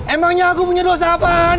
emangnya aku punya dosa apa